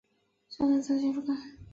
喜欢看色情书刊。